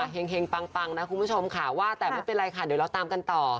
เห็งปังนะคุณผู้ชมค่ะว่าแต่ไม่เป็นไรค่ะเดี๋ยวเราตามกันต่อ